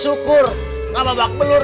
syukur gak mabak pelur